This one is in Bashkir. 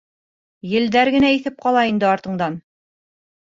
Елдәр генә иҫеп ҡала инде артыңдан.